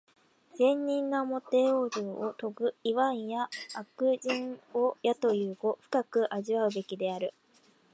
善人なおもて往生をとぐ、いわんや悪人をやという語、深く味わうべきである。